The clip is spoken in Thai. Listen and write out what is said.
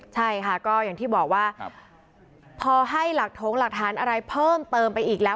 ใช่ค่ะก็อย่างที่บอกว่าพอให้หลักถงหลักฐานอะไรเพิ่มเติมไปอีกแล้ว